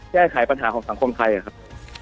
แก้ไขปัญหาของสังคมไทยครับ